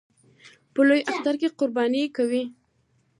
په لوی اختر کې قرباني کوي